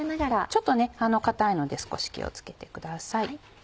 ちょっと硬いので少し気を付けてください。